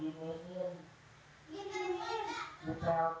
biasa belum mau buat rekam